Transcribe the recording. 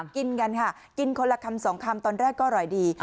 กินกันค่ะกินคนละคำ๒คำตอนแรกก็อร่อยดี